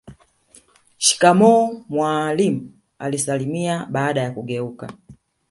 Shikamoo mwalimu alisalimia baada ya kugeuka